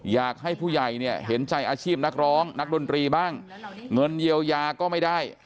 อยากให้ผู้ใหญ่เนี่ยเห็นใจอาชีพนักร้องนักดนตรีบ้างเงินเยียวยาก็ไม่ได้